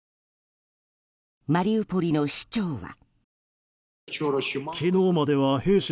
マリウポリの市長は。